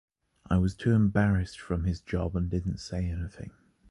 I was too embarrassed from his job and didn't say anything